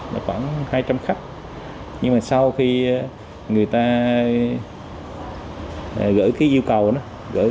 là khoảng hai trăm linh khách nhưng mà sau khi người ta gửi cái yêu cầu đó